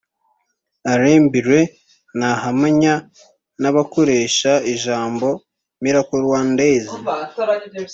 Alain Billen ntahamanya n’abakoresha ijambo “Miracle Rwandais”